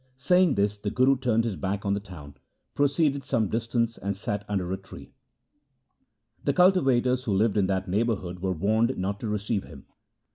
Saying this the Guru turned his back on the town, proceeded some distance, and sat under a tree. The cultivators who lived in that neighbourhood were warned not to receive him.